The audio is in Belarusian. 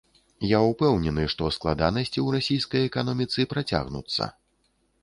Я ўпэўнены, што складанасці ў расійскай эканоміцы працягнуцца.